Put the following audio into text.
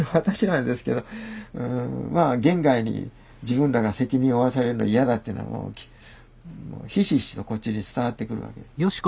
まあ言外に自分らが責任を負わされるのは嫌だっていうのはもうひしひしとこっちに伝わってくるわけ。